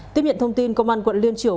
tiếp nhận thông tin công an quận liên triểu